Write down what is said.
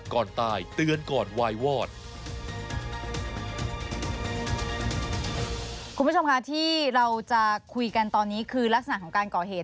คุณผู้ชมคะที่เราจะคุยกันตอนนี้คือลักษณะของการก่อเหตุ